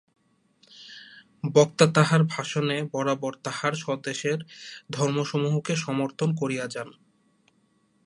বক্তা তাঁহার ভাষণে বরাবর তাঁহার স্বদেশের ধর্মসমূহকে সমর্থন করিয়া যান।